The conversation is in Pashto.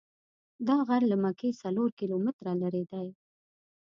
دا غر له مکې څلور کیلومتره لرې دی.